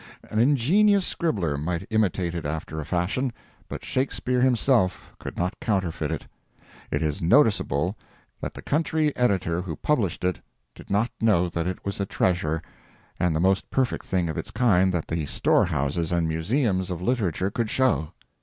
An ingenious scribbler might imitate it after a fashion, but Shakespeare himself could not counterfeit it. It is noticeable that the country editor who published it did not know that it was a treasure and the most perfect thing of its kind that the storehouses and museums of literature could show.